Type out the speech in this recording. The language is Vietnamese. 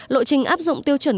lộ trình áp dụng tiêu chuẩn